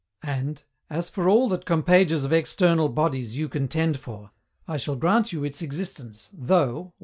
And, as for all that COMPAGES of external bodies you contend for, I shall grant you its existence, THOUGH (1.)